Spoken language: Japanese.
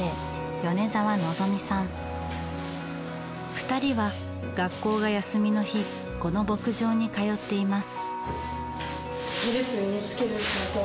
２人は学校が休みの日この牧場に通っています。